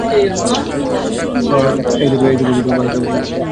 এই ত্যাগ এখনও ভারতীয় সকল আদর্শের মধ্যে শ্রেষ্ঠ ও গরিষ্ঠ।